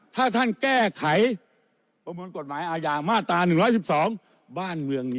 ถ้าท่านแก้ไขประมวลกฎหมายอาญามาตรา๑๑๒